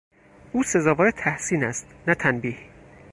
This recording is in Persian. او سزاوار تحسین است نه تنبیه!